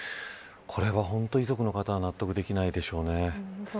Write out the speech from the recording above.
これは本当に遺族の方は納得できないでしょうね。